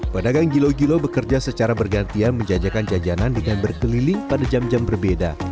pedagang gilo gilo bekerja secara bergantian menjajakan jajanan dengan berkeliling pada jam jam berbeda